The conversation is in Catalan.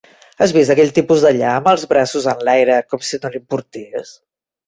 Has vist aquell tipus d'allà amb els braços enlaire com si no li importés?